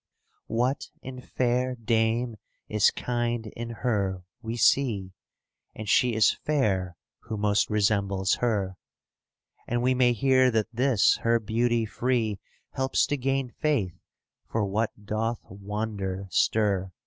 "What in fair dame is kind in her we see, And she is fair who most resembles her." *° And we may hear that this her beauty free Helps to gain faith for what doth wonder stir.